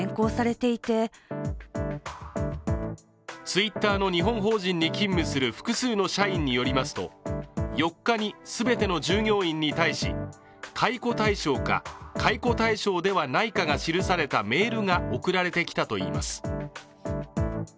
ツイッターの日本法人に勤務する複数の社員によりますと４日に全ての従業員に対し、解雇対象か解雇対象ではないかが記されたメールが送られてきたといいます。